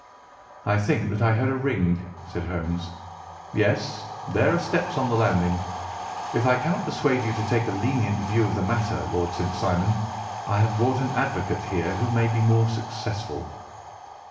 "I think that I heard a ring," said Holmes. "Yes, there are steps on the landing. If I cannot persuade you to take a lenient view of the matter, Lord St. Simon, I have brought an advocate here who may be more successful."